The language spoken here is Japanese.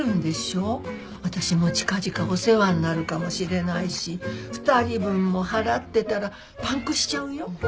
私も近々お世話になるかもしれないし２人分も払ってたらパンクしちゃうよ。